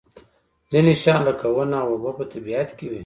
ځینې شیان لکه ونه او اوبه په طبیعت کې وي.